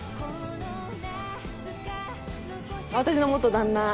私の元旦那。